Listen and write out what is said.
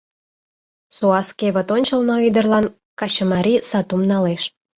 Суас кевыт ончылно ӱдырлан качымарий сатум налеш.